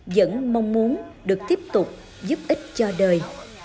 vẫn mong muốn được tiếp tục giúp ích cho đời